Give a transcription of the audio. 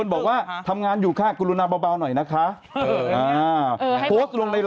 เออเขาก็อาจจะรู้สึกอย่างนั้นที่ไหม